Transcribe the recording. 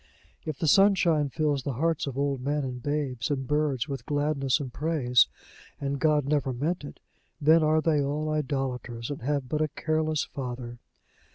If the sunshine fills the hearts of old men and babes and birds with gladness and praise, and God never meant it, then are they all idolaters, and have but a careless Father.